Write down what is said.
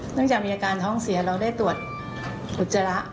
เนื่องจากมีอาการท้องเสียเราได้ตรวจอุจจาระ